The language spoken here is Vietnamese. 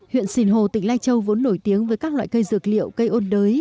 huyện sìn hồ tỉnh lai châu vốn nổi tiếng với các loại cây dược liệu cây ôn đới